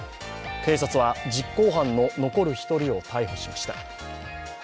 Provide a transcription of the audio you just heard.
警察は実行犯の残る１人を逮捕しました。